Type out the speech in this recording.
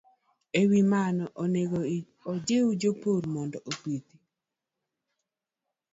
E wi mano, onego ojiw jopur mondo opidh